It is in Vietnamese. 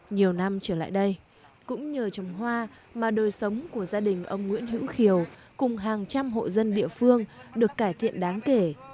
nhiều năm trở lại đây cũng nhờ trồng hoa mà đời sống của gia đình ông nguyễn hữu khiều cùng hàng trăm hộ dân địa phương được cải thiện đáng kể